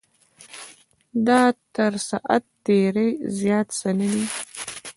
دا تر ساعت تېرۍ زیات څه نه دی.